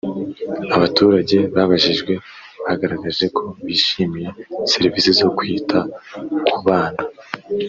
Abaturage babajijwe bagaragaje ko bishimiye serivisi zo kwita kubana